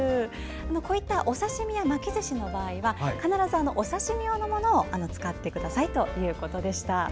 こういったお刺身や巻きずしの場合は必ずお刺身用のものを使ってくださいということでした。